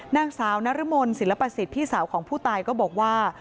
นางสาวนรมนศิลปสิทธิ์พี่สาวของผู้ตายก็บอกว่า